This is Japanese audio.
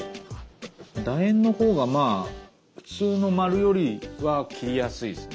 だ円のほうがまあ普通の丸よりは切りやすいですね。